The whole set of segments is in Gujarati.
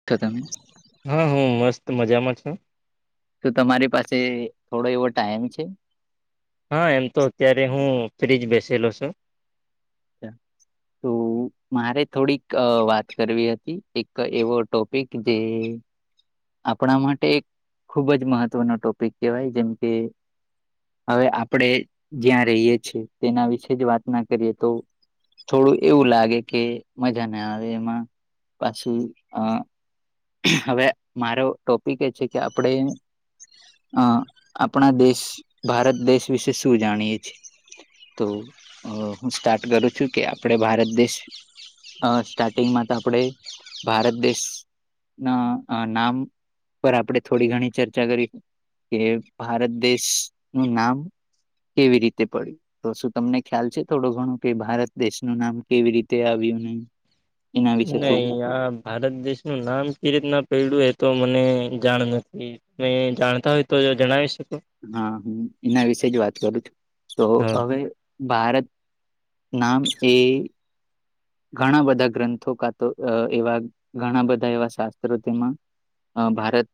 [unintelligible] હા હું મસ્ત મજામાં છું તો તમારી પાસે થોડો એવો ટાઈમ છે હા એમ તો અત્યારે હું ફ્રીજ બેસેલો છું [inaudible] તો મારે થોડીક વાત કરવી હતી એક એવો ટોપિક જે આપણા માટે એક ખુબ જ મહત્વનો ટોપિક કેહેવાય જેમ કે હવે આપણેે જ્યાં રહીએ છીએ તેના વિશે જ વાત ના કરીએ તો થોડું એવું લાગે કે મજા ના આવે એમાં પછી અ હવે મારો ટોપિક એ છે કે આપણે અ આપણા દેશ ભારત દેશ વિશે શું જાણીએે છીએ તો હું સ્ટાર્ટ કરું છું કે આપણે ભારત દેશ અ સ્ટાર્ટિંગમાં ત આપણે ભારત દેશ ના નામ પર આપડણે થોડી ઘણી ચર્ચા કરી કે ભારત દેશ નું નામ કેવી રીતે પડ્યું તો શું તમને ખ્યાલ છે થોડું ઘણું કે ભારત દેશનું નામ કેવી રીતે આવ્યું [unintelligible] એના વિશે નહી થોડું આ ભારત દેશનું નામ કે રીતના પડું એ તો મને જાણ નથી એ જાણતા હોય તો જણાવી શકો હા હ એના વિશે જ વાત કરું છું તો હા હવે ભારત નામ એ ઘણા બધા ગ્રંથો કા તો એવા ઘણા બધા એવા શાસ્ત્રો તેમાં અ ભારત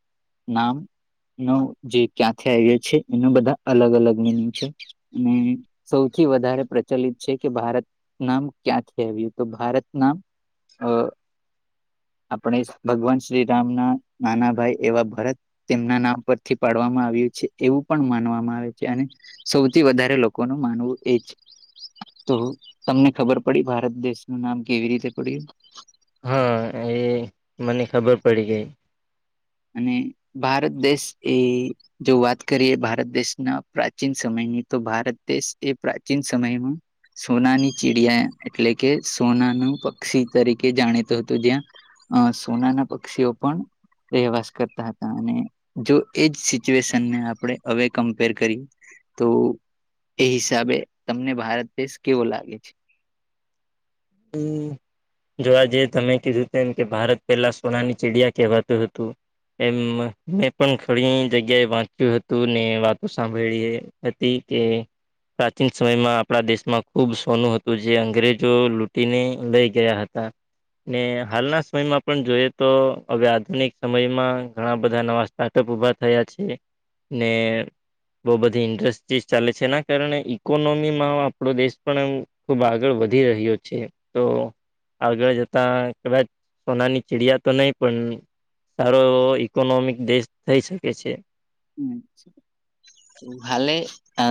નામ ન જે ક્યાંથી આવ્યો છે એનું બધા અલગ અલગ મિનિંગ છે અને સૌથી વધારે પ્રચલિત છે કે ભારત નામ ક્યાંથી આવ તો ભારત નામ અ આપણે ભગવાન શ્રીરામ ના નાના ભાઈ એવા ભરત તેમના નામ પરથી પાડવામાં આવ્યું છે એવું પણ માનવામાં આવે છે અને સૌથી વધારે લોકોનું માનવું એ જ તો તમને ખબર પડી ભારત દેશનું નામ કેવી રીતે પડ્યું હા એ મને ખબર પડી ગઈ અને ભારત દેશ એ જો વાત કરીએ ભારત દેશના પ્રાચીન સમયની તો ભારત દેશ એ પ્રાચીન સમયમાં સોનાની ચિડિયા એટલે કે સોના નું પક્ષી તરીકે જાણીતુ હતું જ્યાં અ સોના ના પક્ષીઓ પણ રહેવાસ કરતા હતા અને જો એજ સિચ્યુએશનને આપણે હવે કમ્પેર કરીએ તો એ હિસાબે તમને ભારત દેશ કેવો લાગે છે [inaudible] જો આજે તમે કીધું તેમ એમ કે ભારત પહેલા સોનાની ચીડિયા કહેવાતું હતું એમ મેં પણ ઘણી જગ્યાએ વાંચ્યું હતું ને વાતો સાંભળી પ્રતી કે પ્રાચીન સમયમાં આપણા દેશમાં ખુબ સોનું હતું જે અંગ્રેજો લૂટીને લઈ ગયા હતા [inaudible] ને હાલના સમયમાં પણ જોઈએ તો હવે આધુનિક સમયમાં ઘણા બધા નવા પાટપ ઉભા થયા છે ને બઉ બધી ઇન્ડસ્ટ્રીઝ ચાલે છે એના કારણે ઈકોનોમીમાં આપણો દેશ પણ ખુબ આગળ વધી રહ્યો છે તો આગળ જતા કદાચ સોનાની ચીડિયા તો નહી પણ સારો એવો ઇકોનોમિક દેશ થઈ શકે છે હાલે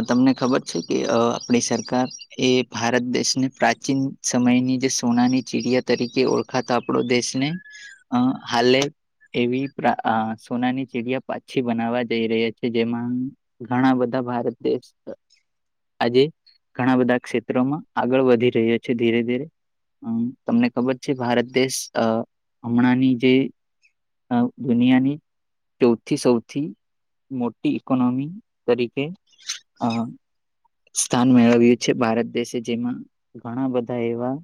તમને ખબર છે કે આપણી સરકાર એ ભારત દેશને પ્રાચીન સમયની જે સોનાની ચીડિયા તરીકે ઓળખ ખાતા આપડો દેશ ને અ હાલે એવી અ સોનાની ચીડિયા પાછી બનાવા જઈ રહ્યા છે જેમાં ઘણા બધા ભારત દેશ આજે ઘણા બધા ક્ષેત્રોમાં આગળ વધી રહ્યો છે ધીરે ધીરે હમ તમને ખબર છે ભારત દેશ અ હમણાંની જે દુનિયાની ચૌથી સૌથી મોટી ઇકોનોમી તરીકે અ સ્થાન મેળવ્યું છે, ભારત દશે જેમાં ઘણા બધા એવા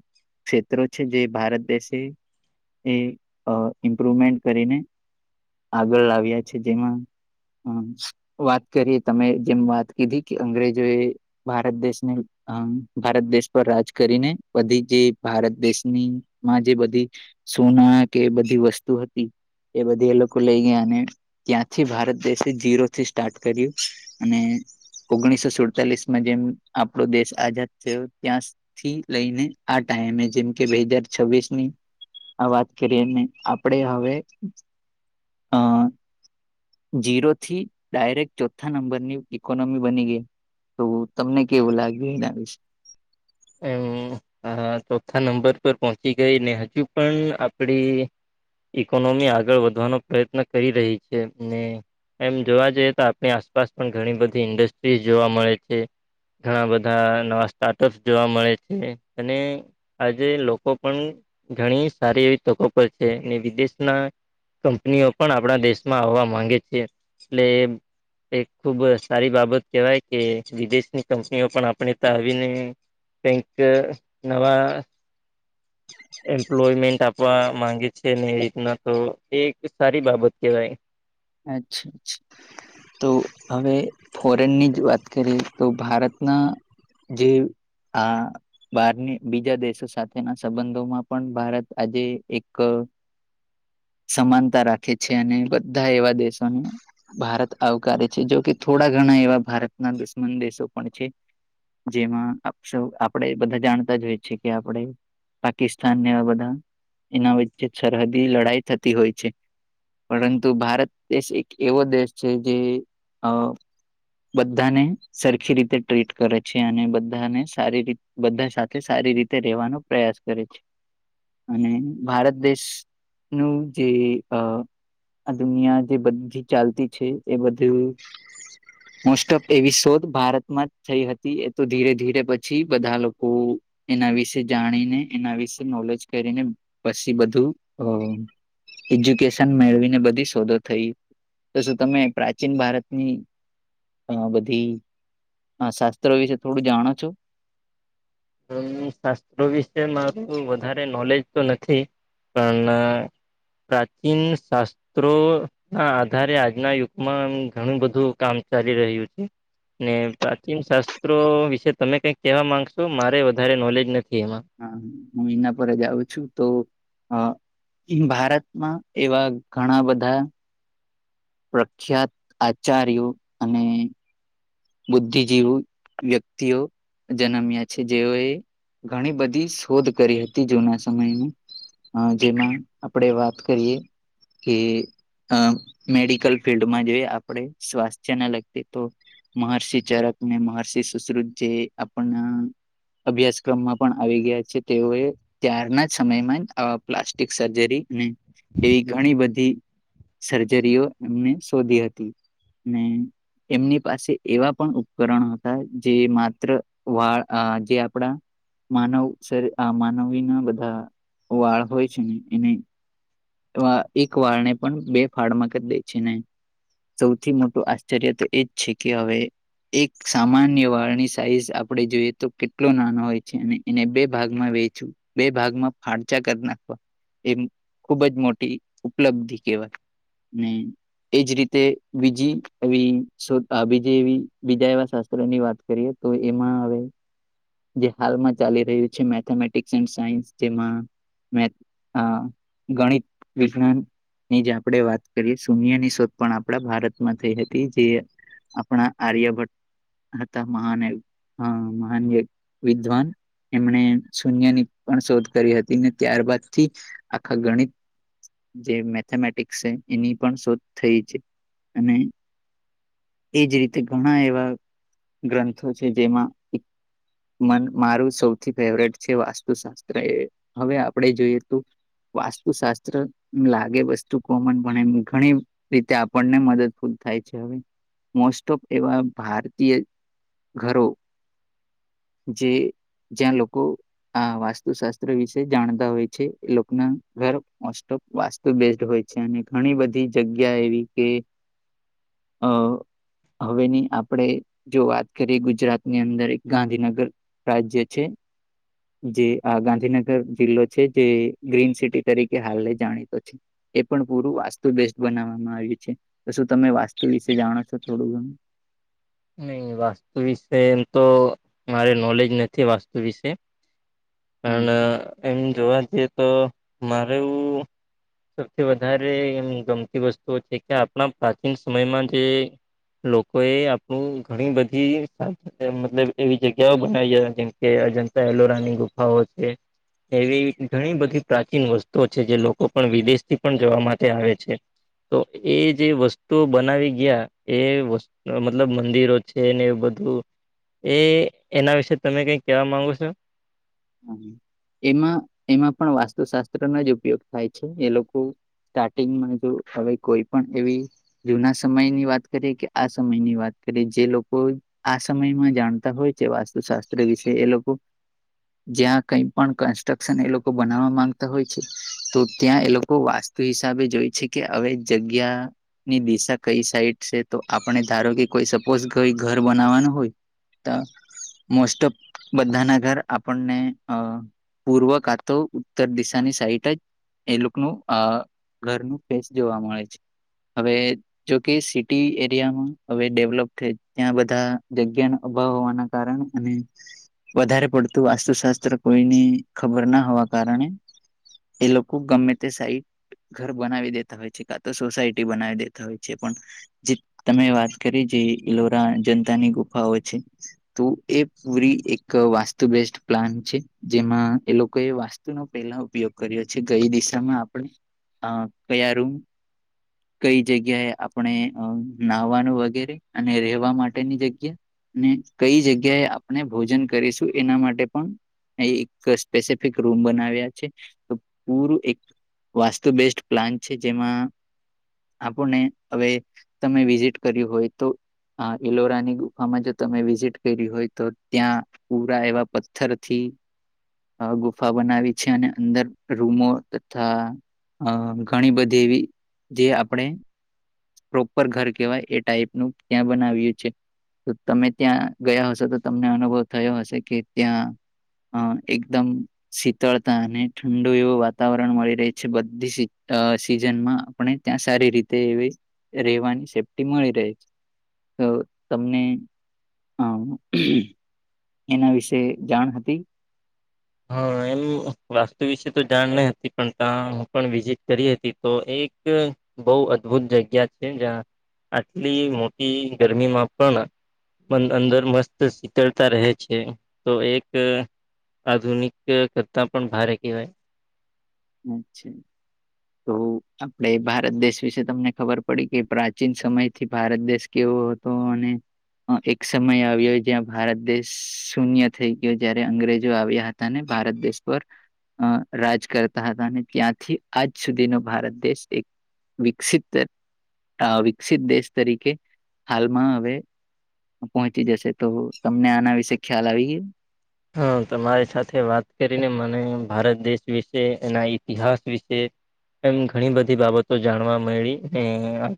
ક્ષેત્રો છે જે ભારત દેશે એ અ ઇમ્પ્રુવમેન્ટ કરીને આગળ લાવ્યા છે જેમાં હમ વાત કરીએ તમે જેમ વાત કીધી કે અંગ્રેજો એ ભારત દેશની અ ભારત દેશ પર રાજ કરીને બધી જે ભારત દેશની માં જે બધી સોના કે બધી વસ્તુ હતી એ બધી એ લોકો લઈ ગયા ને ત્યાંથી ભારત દેશે જીરો થી સ્ટાર્ટ કર્યું અને ઓગણીસો સુડતાલીસ જેમ આપણો દેશ આઝાદ થયો ત્યાં થી લઈને આ ટાઈમે જેમ કે બે હજાર છવ્વીસ ની આ વાત કરીએને આપડે હવે અ જીરો થી ડાયરેક્ટ ચોથા નંબરની ઈકોનોમી બની ગઈ. તો તમને કેવું લાગ્યું એના વિશે [inaudible] અ ચોથા નંબર પર પહોંચી ગઈ ને હજુ પણ આપડી ઇકોનોમી આગળ વધવાનો પ્રયત્ન કરી રહી છે ને એમ જોવા જઈએ તો આપણી આસપાસ પણ ઘણી બધી ઇન્ડસ્ટ્રીઝ જોવા મળે છે. ઘણા બધા નવા સ્ટાર્ટઅપ્સ જોવા મળે છે અને આજે લોકો પણ ઘણી સારી એવી તકો પર છે ને વિદેશના કંપનીઓ પણ આપણા દેશમાં આવવા માંગે છે એટલે એક ખૂબ સારી બાબત કહેવાય કે વિદેશની કંપનીઓ પણ આપણે તા આવીને તેંક નવા [inaudible] એમ્પ્લોયમેન્ટ આપવા માંગે છે ને એ રીતના તો એક સારી બાબત કહેવાય. અચ્છા અચ્છા. તો હવે ફોરેનની જ વાત કરીએ તો ભારતના જે આ બારની બીજા દેશો સાથેના સંબંધોમાં પણ ભારત આજે એક સમાનતા રાખે છે અને બધા એવા દેશોને ભારત આવકારે છે, જો કે થોડા ઘણા એવા ભારતના દુશ્મન દેશો પણ છે. જેમાં [unintelligible] આપણેે બધા જાણતા જ હોઈ છેએ કે આપણે પાકિસ્તાનને બધા એના વચ્ચે સરહદી લડાઈ થતી હોય છે. પરંતુ ભારત દેશ એક એવો દેશ છે જે આ બધાને સરખી રીતે ટ્રીટ કરે છે અને બધાને સારી રીતે બધા સાથે સારી રીતે રેવાનો પ્રયાસ કરે છે. અને ભારત દેશ નું જે અ આ દુનિયા જે બધી ચાલતી છે એ બધું મોસ્ટ ઓફ એવી શોધ ભારતમાં જ થઈ હતી એ તો ધીરે ધીરે પછી બધા લોકો એના વિશે જાણીને એના વિશે નોલેજ કરીને પછી બધું અ એજ્યુકેશન મેળવીને બધ શોધો થઈ તો શું તમે પ્રાચીન ભારતની અ બધી શાસ્ત્રો વિશે થોડું જાણો છો? શાસ્ત્રો વિશે મારું વધારે નોલેજ તો નથી પણ પ્રાચીન શાસ્ ત્રો ના આધારે આજના યુગમાં ઘણું બધું કામ ચાલી રહ્યું છે. ને પ્રાચીન શાસ્ત્રો વિશે તમે કઈક કહેવા માંગશો મારે વધારે નોલેજ નથી એમાં હા હું એના પર જ આવું છું તો ભારતમાં એવા ઘણા બધા પ્રખ્યાત આચાર્યો અને બુદ્ધિજીવી વ્યક્તિઓ જન્મ્યા છે જેઓએ ઘણી બધી શોધ કરી હતી જૂના સમયમાં હ જેમાં આપડે વાત કરીએ કે અ મેડિકલ ફિલ્ડમાં જોઈએ આપણે સ્વાસ્થ્યને લગતી તો મહર્ષિ ચરકને મહર્ષિ સુશરુત જે આપણા અભ્યાસક્રમમાં પણ આવી ગયા છે તેઓએ ત્યારના જ સમયમાં જ આ પ્લાસ્ટિક સર્જરી અને એવી ઘણી બધી સર્જરીઓ એમને શોધી હતી અને એમની પાસે એવા પણ ઉપકરણ હતા જે માત્ર વાળ જે આપણા માનવ શરી આ માનવી ના બધા વાળ હોય છે ને એને એક વાળને પણ બે ફાળમાં કદે છે ને સૌથી મોટું આશ્ચર્ય તો એજ છે કે હવે એક સામાન્ય વાળની સાઈઝ આપડે જોઈએ તો કેટલો નાનો હોય છે અને એને બે ભાગમાં વેચવું બે ભાગમાં ફાળચા કરી નાખવા એ ખુબ જ મોટી ઉપલબ્ધિ કેહેવાય ને એજ રીતે બીજી એવી બીજી એવી બીજા એવા શાસ્ત્રોની વાત કરીએ તો એમાં હવે જે હાલમાં ચાલી રહ્યું છે મેથેમેટિક્સ એન્ડ સાયન્સ જેમાં મે ગણિત વિજ્ઞાન ની જે આપણે વાત કરીએ શૂન્ય ની શોધ પણ આપણા ભારતમાં થઈ હતી જે આપણા આર્યભટ્ટ હતા મહાન હા મહન્ય વિદ્વાન એમણે શૂન્ય ની પણ શોધ કરી હતી ને ત્યારબાદ થી આખા ગણિત જે મેથેમેટિક્સ છે એની પણ શોધ થઈ છે અને એજ રીતે ઘણા એવા ગ્રંથો છે જેમાં મન મારું સૌથી ફેવરેટ છે વાસ્તુશાસ્ત્ર એ હવે આપણે જોઈએ તો વાસ્તુ શાસ્ત્ર લાગે વસ્તુ કોમન પણ એમ ઘણી રીતે આપણને મદદ ખુદ થાય છે હવે મોસ્ટ ઓફ એવા ભારતીય ઘરો જે જ્યાં લોકો આ વાસ્તુશાસ્ત્ર વિશે જાણતા હોય છે એ લોકો [unintelligible] વાસ્તુ બેલ્ટ હોય છે અને ઘણી બધી જગ્યા એવી કે અ હવેની આપણેે જો વાત કરીએ ગુજરાતની અંદર ગાંધીનગર રાજ્ય છે જે આ ગાંધીનગર જિલ્લો છે જે ગ્રીન સિટી તરીકે હાલએ જાણીતો છે. એ પણ પૂરું વાસ્તુ બેસ્ટ બનાવવામાં આવ્યું છે તો શું તમે વાસ્તુ વિશે જાણો છો થોડું ઘણું નહી વાસ્તુ વિશે એમ તો મારે નોલેજ નથી વાસ્તુ વિશે હા પણ એમ જોવા જઈએ તો મારે એવું સૌથી વધારે એમ ગમતી વસ્તુઓ છે કે આપણા પ્રાચીન સમયમાં જે લોકો એ આપણું ઘણી બધી મતલબ એવી જગ્યાઓ બનાવી જ જેમકે અજંતા એલોરા ની ગુફાઓ છે એવી ઘણી બધી પ્રાચીન વસ્તુઓ છે જે લોકો પણ વિદેશથી પણ જોવા માટે આવે છે. તો એ જે વસ્તુ બનાવી ગયા એ વસ્તુ મતલબ મંદિરો છે ને એ બધું એ એના વિશે તમે કઈ કેવા માંગો છો એમાં એમાં પણ વાસ્તુશાસ્ત્રનો જ ઉપયોગ થાય છે, એ લોકો સ્ટાર્ટિંગમાં જો હવે કોઈ પણ એવી જૂના સમયની વાત કરીએ કે આ સમયની વાત કરીએ જે લોકો આ સમયમાં જાણતા હોય છે, વાસ્તુશાસ્ત્ર વિશે એ લોકો જ્યાં કઈ પણ કન્સ્ટ્રક્શન એ લોકો બનાવવા માંગતા હોય છે, તો ત્યાં એ લોકો વાસ તુ હિસાબે જોય છે, કે હવે જગ્યા ની દિશા કઈ સાઈડ છે, તો આપણે ધારો કે કોઈ સપોઝ કોઈ ઘર બનાવવાનું હોય તો મોસ્ટ ઓફ બધાના ઘર આપ પણને અ પૂર્વ કા તો ઉત્તર દિશાની સાઈટ જ એલુકનું અ ઘરનું ફેસ જોવા મળે છે, હવે જોકે સિટી એરિયામાં હવે ડેવલપ થ ત્યાં બધા જગ્યાનો અભાવ હોવાના કારણ અને વધારે પડ તો વાસ્તુશાસ્ત્ર કોઈની ખબર ના હોવા કારણે એ લોકો ગમે તે સાહી ઘર બનાવી દેતા હોય છે, કા તો સોસાયટી બનાવી દેતા હોય છે, પણ જે તમે વાત કરી જે ઈલોરા અજનતાની ગુફાઓ છે, તો એ પૂરી એક વાસ્તુ બેસ્ટ પ્લાન છે. જેમાં એ લોકોએ વાસ્તુનો પહેલા ઉપયોગ કર્યો છે, કઈ દિશામાં આપણે હ કયા રૂમ કઈ જગ્યાએ આપણે નાહવાનું વગેરે અને રહેેવા માટેની જગ્યા ને કઈ જગ્યાએ આપણે ભોજન કરીશું એના માટે પણ એક સ્પેસિફિક રૂમ બનાવ્યા છે, તો પૂરું એક વાસ્તુ બેસ્ટ પ્લાન છે, જેમાં આપણને હવે તમે વિઝિટ કર્યું હોય તો હ એલોરાની ગુફામાં જો તમે વિઝિટ કરી હોય તો ત્યાં પૂરા એવા પથ્થર થી અ ગુફા બનાવી છે, અને અંદર રૂમો તથા અ ઘણી બધી એવી જે આપણે પ્રોપર ઘર કેવાય એ ટાઈપનું ત્યાં બનાવ્યું છે. તો તમે ત્યાં ગયા હશો તો તમને અનુભવ થયો હશે કે ત્યાં હ એકદમ શીતળતા અને ઠંડુ એવું વાતાવરણ મળી રહે છે, બધી સી અ સીઝનમાં આપણે ત્યાં સારી રીતે એવી રહેવાની સેફ્ટી મળી રહે છે. તો તમને એના વિશે જાણ હતી? હા એમ વાસ્તુ વિશે તો જાણ નહી હતી પણ ત્યાં હું પણ વિઝિટ કરી હતી તો એક બહુ અદભુત જગ્યા છે, જ્યાં આટલી મોટી ગરમીમાં પણ અંદર મસ્ત શીતળતા રહે છે, તો એક આધુનિક કરતા પણ ભારે કહેવાય [unintelligible] છે તો આપડે ભારત દેશ વિશે તમને ખબર પડી કે પ્રાચીન સમય થી ભારત દેશ કેવો હતો અને એક સમય આવ્યો જ્યાં ભારત દેશ શૂન્ય થઈ ગયો જયારે અંગ્રેજો આવ્યા હ તા ને ભારત દેશ પર અ રાજ કર તા હતા અને ત્યાંથી આજ સુધીનો ભારત દેશ એક વિકસિત વિકસિત દેશ તરીકે હાલમાં હવે પહોંચી જશે તો તમને આના વિશે ખ્યાલ આવી ગયો? હા તમારી સાથે વાત કરીને મને ભારત દેશ વિશે એના ઈતિહાસ વિશે એમ ઘણી બધી બાબતો જાણવા મળી આગ